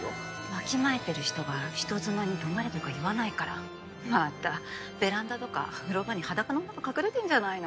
わきまえてる人が人妻に泊まれとか言わないからまたベランダとか風呂場に裸の女が隠れてんじゃないの？